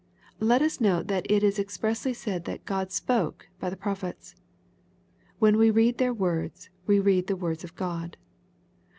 ] Let us note that it is expressly said that " God spake" by the prophets. When we read their words, we read the words of God.